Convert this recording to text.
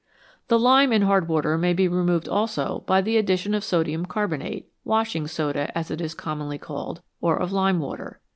The lime in a hard water may be removed also by the addition of sodium carbonate washing soda, as it is commonly called or of lime water.